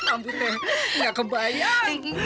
ambil teh ga kebayang